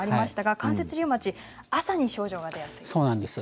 関節リウマチ朝に症状が出やすいんですね。